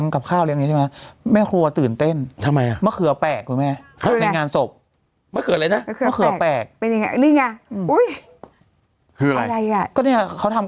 มันมีไม่ผ่านอย่างนี้มันใช่หรอ